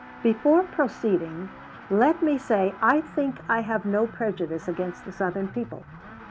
"Before proceeding, let me say I think I have no prejudice against the Southern people.